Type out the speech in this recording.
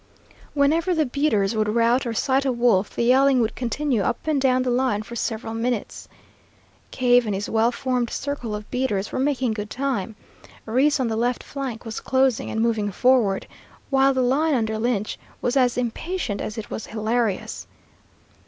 Whenever the beaters would rout or sight a wolf, the yelling would continue up and down the line for several minutes. Cave and his well formed circle of beaters were making good time; Reese on the left flank was closing and moving forward, while the line under Lynch was as impatient as it was hilarious.